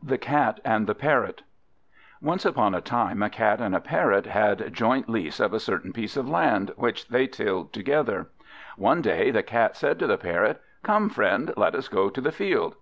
The Cat and the Parrot ONCE upon a time, a Cat and a Parrot had joint lease of a certain piece of land, which they tilled together. One day the Cat said to the Parrot, "Come, friend, let us go to the field."